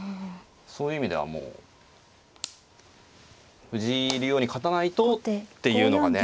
そういう意味ではもう藤井竜王に勝たないとっていうのがね